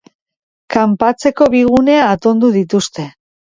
Kanpatzeko bi gune atonduko dituzte.